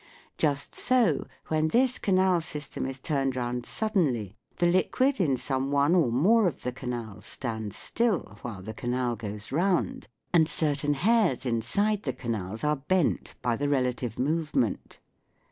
Just so when this canal system is turned round suddenly, the liquid in some one or more of the canals stands still while the canal goes round, and certain hairs inside the canals are bent by the relative move ment.